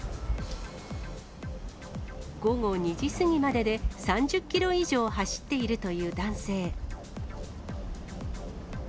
午後２時過ぎまでで３０キロ以上走っているという男性。